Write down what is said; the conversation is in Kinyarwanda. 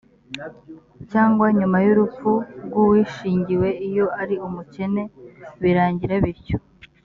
cyangwa nyuma y’urupfu rw’uwishingiwe iyo ari umukene birangira bityo‽